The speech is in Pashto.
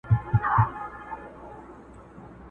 کنه روح یې وو الوتی له بدنه!.